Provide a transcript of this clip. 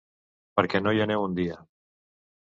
Per què no hi aneu un dia.